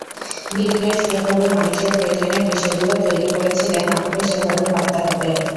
বিল Gates যেভাবে মানুষের প্রয়োজনীয় বিষয়গুলো তৈরি করেছিলেন আমাকে সেভাবে ভাবতে হবে।